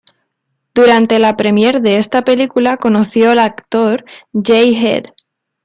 Durante la premiere de esta película conoció al actor Jae Head.